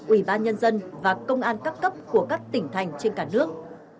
ủy ban nhân dân và công an các cấp của các tỉnh thành trên cả nước